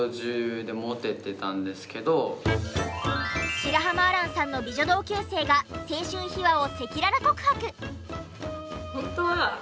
白濱亜嵐さんの美女同級生が青春秘話を赤裸々告白！